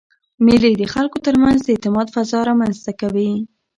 مېلې د خلکو ترمنځ د اعتماد فضا رامنځ ته کوي.